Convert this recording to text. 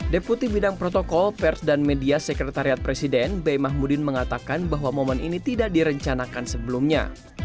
deputi bidang protokol pers dan media sekretariat presiden b mahmudin mengatakan bahwa momen ini tidak direncanakan sebelumnya